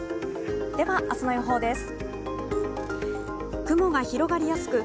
では、明日の予報です。